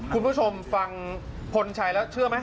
คุณผู้ชมฟังพนชัยทำหนือเชื่อไหม